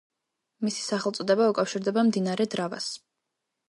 მისი სახელწოდება უკავშირდება მდინარე დრავას.